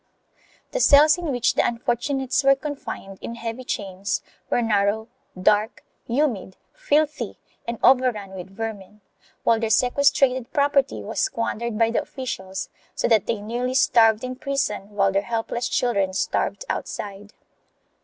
The cells in which the unfortunates were confined in heavy chains were narrow, dark, humid, filthy and overrun with vermin, while their sequestrated property was squandered by the officials, so that they nearly starved in prison while their helpless children starved outside.